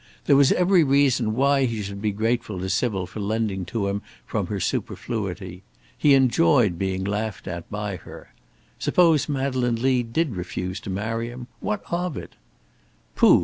There was every reason why he should be grateful to Sybil for lending to him from her superfluity. He enjoyed being laughed at by her. Suppose Madeleine Lee did refuse to marry him! What of it? "Pooh!"